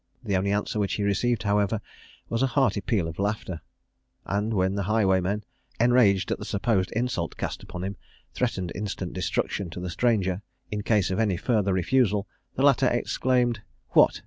The only answer which he received, however, was a hearty peal of laughter; and when the highwayman, enraged at the supposed insult cast upon him, threatened instant destruction to the stranger in case of any further refusal, the latter exclaimed "What!